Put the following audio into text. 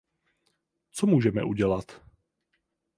Co můžeme udělat?